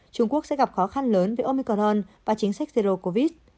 trung quốc sẽ gặp khó khăn lớn về omicron và chính sách zero covid